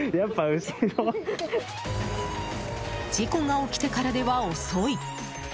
事故が起きてからでは遅い。